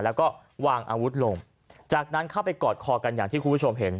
แล้วก็วางอาวุธลงจากนั้นเข้าไปกอดคอกันอย่างที่คุณผู้ชมเห็น